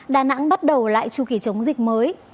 đà nẵng bắt đầu lại chu kỳ chống dịch mới